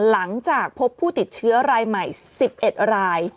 หลังจากพบผู้ติดเชื้อรายใหม่๑๑ราย